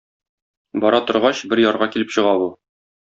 Бара торгач, бер ярга килеп чыга бу.